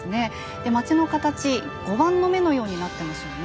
で町の形碁盤の目のようになってますよね。